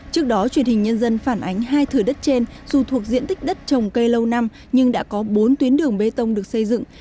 trước đó truyền hình nhân dân phản ánh hai thửa đất trên dù thuộc diện tích đất trồng cây lâu năm nhưng đã có bốn tuyến đường bê tông được xây dựng